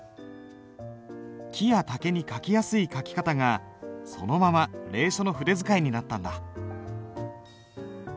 木や竹に書きやすい書き方がそのまま隷書の筆使いになったんだ。